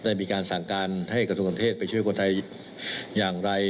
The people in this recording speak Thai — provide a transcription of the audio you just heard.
เอาไปช่วยคนไทยอย่างไร